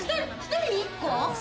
１人１個？